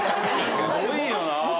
すごいよな。